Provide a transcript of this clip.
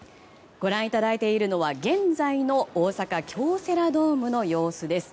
ご覧いただいているのは現在の大阪・京セラドームの様子です。